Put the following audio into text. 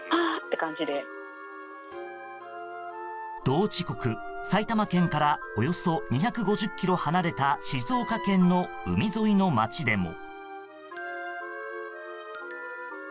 同時刻、埼玉県からおよそ２５０ｋｍ離れた静岡県の海沿いの街でも。